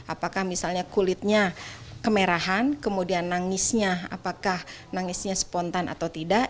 apakah misalnya kulitnya kemerahan kemudian nangisnya apakah nangisnya spontan atau tidak